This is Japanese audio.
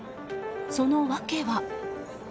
その訳は。